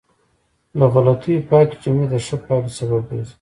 له غلطیو پاکې جملې د ښه پایلو سبب ګرځي.